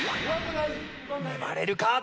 粘れるか？